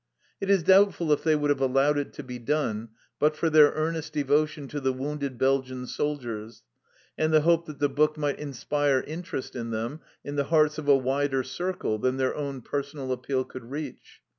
It is doubtful if they would have allowed it to be done but for their earnest devotion to the wounded Belgian soldiers, and the hope that the book might inspire interest in them in the hearts of a wider circle than their own personal appeal could reach.